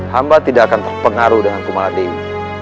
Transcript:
hamba tidak akan terpengaruh dengan kumala dewi